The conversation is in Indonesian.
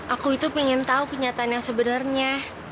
aku itu pengen tau kenyataan yang sebenernya